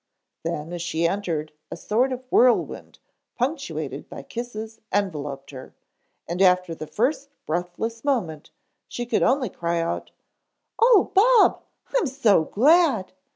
Then as she entered a sort of whirlwind punctuated by kisses enveloped her, and after the first breathless moment she could only cry out, "Oh Bob! I'm so glad!"